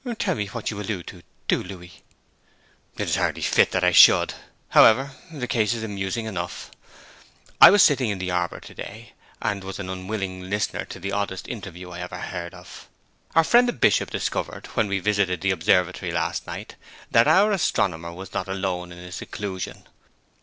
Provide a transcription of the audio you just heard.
'Tell me what you allude to, do, Louis.' 'It is hardly fit that I should. However, the case is amusing enough. I was sitting in the arbour to day, and was an unwilling listener to the oddest interview I ever heard of. Our friend the Bishop discovered, when we visited the observatory last night, that our astronomer was not alone in his seclusion.